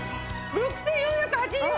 ６４８０円！